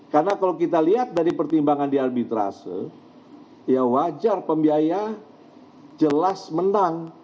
karena kalau kita lihat dari pertimbangan di arbitrase ya wajar pembiayaan jelas menang